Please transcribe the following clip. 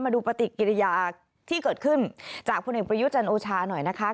ดูปฏิกิริยาที่เกิดขึ้นจากพลเอกประยุจันทร์โอชาหน่อยนะคะ